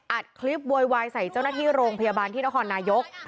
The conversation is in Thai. อัดคลิปโวยวายใส่เจ้าหน้าที่โรงพยาบาลที่นครนายก